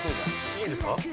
いいんですか？